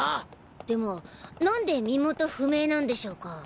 でもなんで身元不明なんでしょうか？